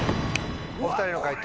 お２人の解答